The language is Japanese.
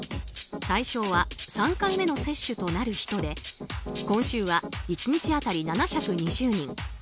対象は３回目の接種となる人で今週は１日当たり７２０人。